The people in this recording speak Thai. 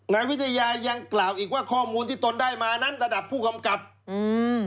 นายวิทยายังกล่าวอีกว่าข้อมูลที่ตนได้มานั้นระดับผู้กำกับอืม